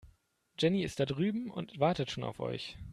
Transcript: Jenny ist da drüben und wartet schon auf euch.